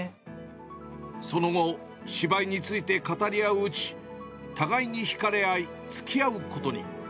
その後、芝居について語り合ううち、互いに引かれあい、つきあうことに。